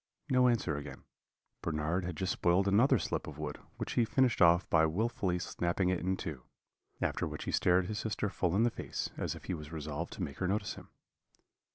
No answer again Bernard had just spoiled another slip of wood, which he finished off by wilfully snapping it in two; after which he stared his sister full in the face, as if he was resolved to make her notice him.